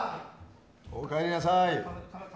おかえりなさい。